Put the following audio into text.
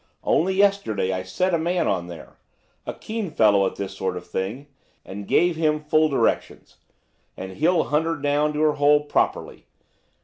Only yesterday I set a man on there–a keen fellow at this sort of thing–and gave him full directions; and he'll hunt her down to her hole properly.